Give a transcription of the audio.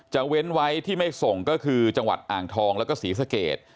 เว้นไว้ที่ไม่ส่งก็คือจังหวัดอ่างทองแล้วก็ศรีสเกต